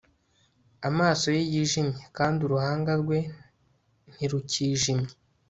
amaso ye yijimye kandi uruhanga rwe ntirukijimye